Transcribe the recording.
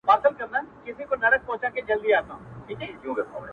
ځان ژوندی، جهان ژوندی؛ چي ځان مړ سو، جهان مړ سو.